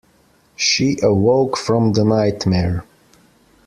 She awoke from the nightmare.